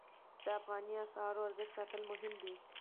د افغانۍ اسعارو ارزښت ساتل مهم دي